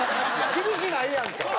厳しないやんか！